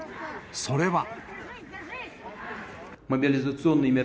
それは。